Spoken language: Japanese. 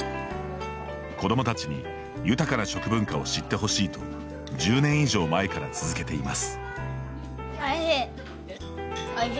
子どもたちに豊かな食文化を知ってほしいと１０年以上前から続けています。